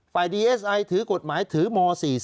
ดีเอสไอถือกฎหมายถือม๔๔